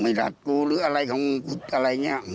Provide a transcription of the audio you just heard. หลัดกูหรืออะไรของกูอะไรอย่างนี้